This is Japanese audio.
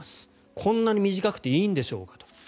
こんなに短くていいんでしょうかと。